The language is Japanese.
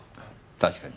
確かに。